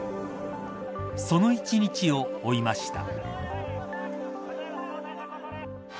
その１日を追いました。